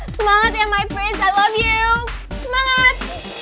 semangat ya my prince i love you semangat